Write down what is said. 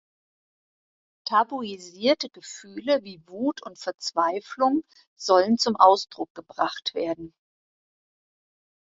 Tabuisierte Gefühle wie Wut und Verzweiflung sollen zum Ausdruck gebracht werden.